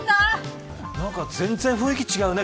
全然、雰囲気違うね。